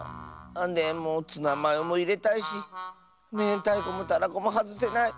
でもツナマヨもいれたいしめんたいこもたらこもはずせない。